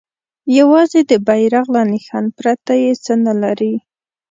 یوازې د بیرغ له نښان پرته یې څه نه لري.